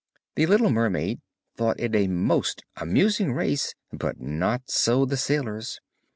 The little mermaid thought it a most amusing race, but not so the sailors.